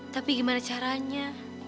tapi gimana caranya